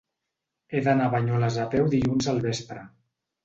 He d'anar a Banyoles a peu dilluns al vespre.